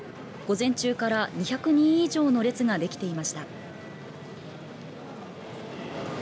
午前中から２００人以上の列ができていました。